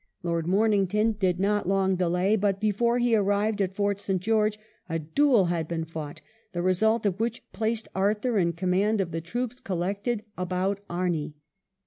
Lord Momington did not long delay, but before he arrived at Fort St. George a duel had been fought, the result of which placed Arthur in command of the troops collected about Amee.